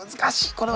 これは。